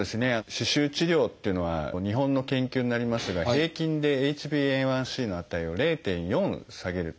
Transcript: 歯周治療っていうのは日本の研究になりますが平均でＨｂＡ１ｃの値を０．４下げるという報告もございます。